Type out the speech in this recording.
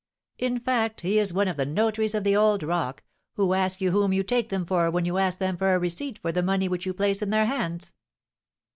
"In fact, he is one of the notaries of the 'old rock,' who ask you whom you take them for when you ask them for a receipt for the money which you place in their hands."